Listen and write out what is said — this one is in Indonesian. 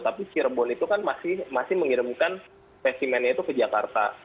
tapi cirebon itu kan masih mengirimkan spesimennya itu ke jakarta